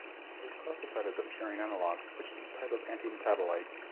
It is classified as a purine analog, which is a type of antimetabolite.